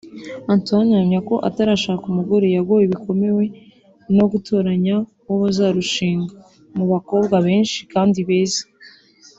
Antoine ahamya ko atarashaka umugore yagowe bikomeye no gutoranya uwo bazarushinga mu bakobwa benshi kandi beza